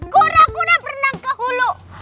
kura kura berenang ke hulu